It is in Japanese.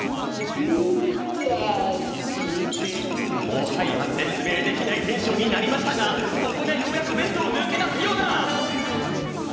もはやせつめいできないテンションになりましたがここでようやくベッドをぬけだすようだ！